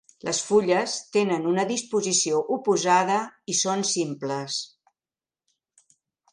Les fulles tenen una disposició oposada i són simples.